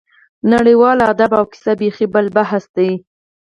نړیوال ادب او کیسه بېخي بل بحث دی.